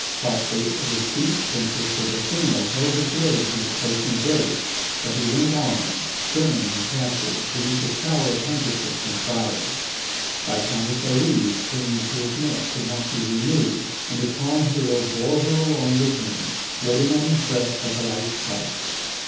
Prostrate at his feet, Princess des Boscénos held his legs in a close embrace, but he went on, stern and impassive, beneath a shower of handkerchiefs and flowers. Viscountess Olive, clinging to his neck, could not be removed, and the calm hero bore her along with him, floating on his breast like a light scarf.